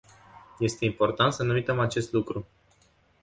Este important să nu uităm acest lucru.